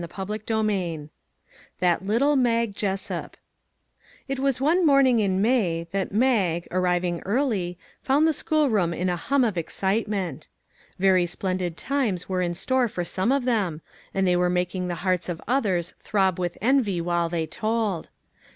340 CHAPTER XXII " THAT LITTLE MAG JESSUP " IT was one morning in May that Mag, ar riving early, found the school room in a hum of excitement. Very splendid times were in store for some of them, and they were making the hearts of others throb with envy while they told.